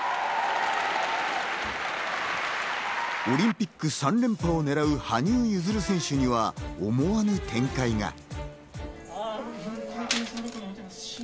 オリンピック３連覇を狙う羽生結弦選手には思わぬ展開が。